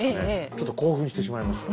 ちょっと興奮してしまいました。